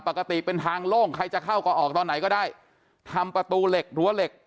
ปกติเป็นทางโล่งใครจะเข้าก็ออกตอนไหนก็ได้ทำประตูเหล็กรั้วเหล็ก